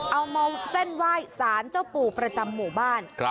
เอามาเส้นไหว้สารเจ้าปู่ประจำหมู่บ้าน